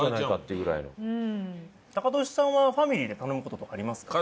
タカトシさんはファミリーで頼む事とかありますか？